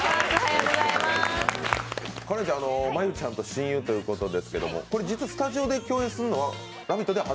花恋ちゃん真悠ちゃんと親友ということですけど実はスタジオで共演するのは「ラヴィット！」では初？